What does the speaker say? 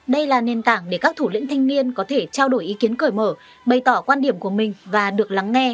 đây là nền tảng để các thủ lĩnh thanh niên có thể trao đổi ý kiến cởi mở bày tỏ quan điểm của mình và được lắng nghe